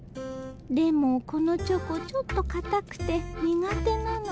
でもこのチョコちょっとかたくて苦手なの。